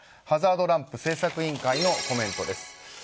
「ハザードランプ」製作委員会のコメントです。